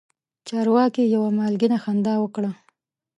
چارواکي یوه مالګینه خندا وکړه.